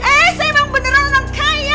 eee saya memang beneran orang kaya